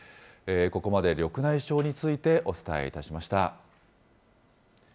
ここまで緑内障について、お伝えいたしました。